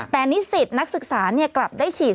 แต่นิสิตนักศึกษากลับได้ฉีด